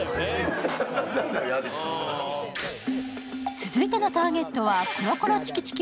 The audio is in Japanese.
続いてのターゲットはコロコロチキチキ